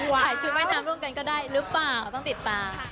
ใส่ชุดว่ายน้ำร่วมกันก็ได้หรือเปล่าต้องติดตาม